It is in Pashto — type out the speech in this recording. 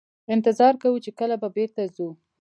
انتظار کوو چې کله به بیرته ځو.